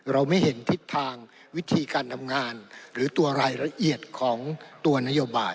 เราไม่เห็นทิศทางวิธีการทำงานหรือตัวรายละเอียดของตัวนโยบาย